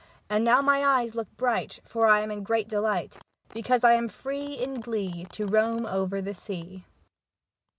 And now my eyes look bright, For I am in great delight, Because I am free in glee, To roam over the sea.'